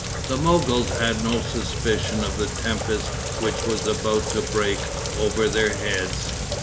The Mogols had no suspicion of the tempest which was about to break over their heads.